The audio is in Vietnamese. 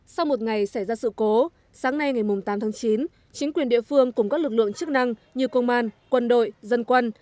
sau một ngày xảy ra sự cố sáng nay ngày tám tháng chín chính quyền địa phương cùng các lực lượng chức năng như công an quân đội dân quân